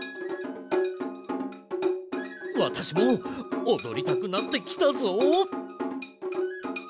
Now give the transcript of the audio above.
わたしもおどりたくなってきたぞ！